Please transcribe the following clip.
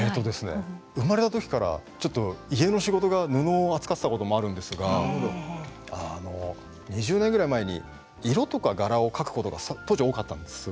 生まれたときから家の仕事が布を扱っていたことがあるんですけれど２０年くらい前に、色とか柄を多かったんです。